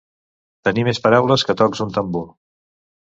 Tenir més paraules que tocs un tambor.